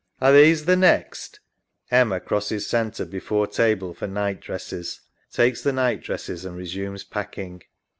Are these the next.? [Crosses centre before table for night dresses. Takes the night dresses, and resumes packing.